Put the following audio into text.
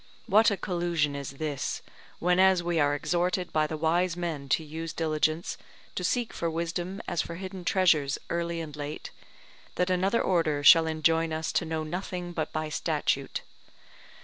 What a collusion is this, whenas we are exhorted by the wise man to use diligence, to seek for wisdom as for hidden treasures early and late, that another order shall enjoin us to know nothing but by statute?